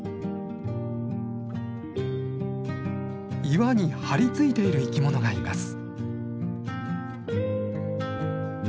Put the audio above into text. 岩に張りついている生きものがいます。